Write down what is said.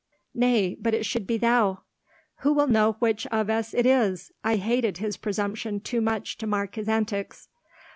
"Nay, but it should be thou." "Who will know which of us it is? I hated his presumption too much to mark his antics."